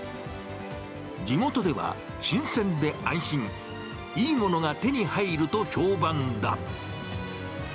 地元では、新鮮で安心、いいものが手に入ると評判だ。